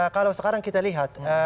kalau sekarang kita lihat